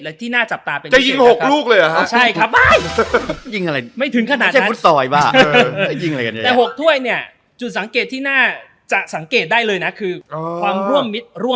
และที่น่าจับตาเป็นพี่เชียงจะยิงหกลูกเลยหรอ